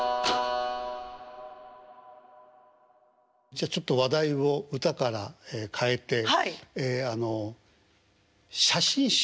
じゃあちょっと話題を歌から変えてあの写真集。